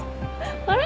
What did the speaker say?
あれ？